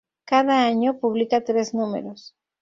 Cada año, publica tres números.